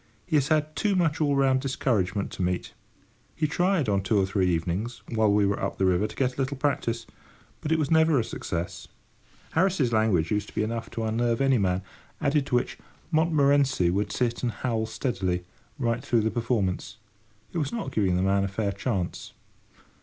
He has had too much all round discouragement to meet. He tried on two or three evenings, while we were up the river, to get a little practice, but it was never a success. Harris's language used to be enough to unnerve any man; added to which, Montmorency would sit and howl steadily, right through the performance. It was not giving the man a fair chance.